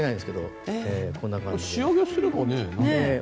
仕上げすれば。